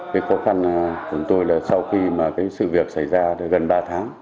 cái khó khăn của tôi là sau khi sự việc xảy ra gần ba tháng